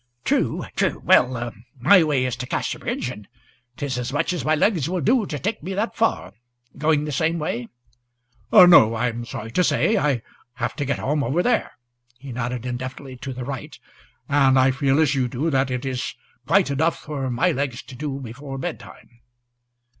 "True, true. Well, my way is to Casterbridge, and't is as much as my legs will do to take me that far. Going the same way?" "No, I am sorry to say. I have to get home over there," (he nodded indefinitely to the right), "and I feel as you do that it is quite enough for my legs to do before bedtime."